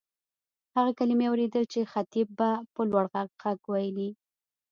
هغه کلیمې اورېدلې چې خطیب به په لوړ غږ وېلې.